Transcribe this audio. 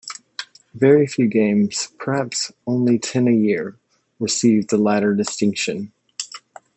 Very few games, perhaps only ten a year, received the latter distinction.